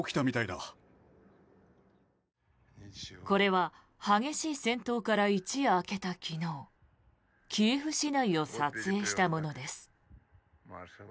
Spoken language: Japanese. これは激しい戦闘から一夜明けた昨日キエフ市内を撮影したものです。